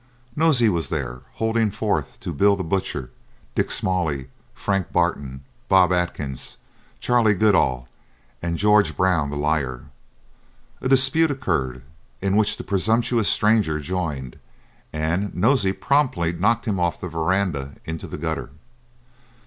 Nosey was there, holding forth to Bill the Butcher, Dick Smalley, Frank Barton, Bob Atkins, Charley Goodall, and George Brown the Liar. A dispute occurred, in which the presumptuous stranger joined, and Nosey promptly knocked him off the verandah into the gutter.